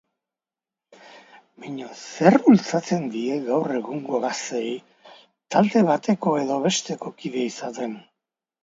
Baina zerk bultzatzen die gaur egungo gazteei talde bateko edo besteko kide izaten?